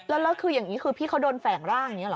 แล้วคืออย่างนี้คือพี่เขาโดนแฝงร่างอย่างนี้หรอ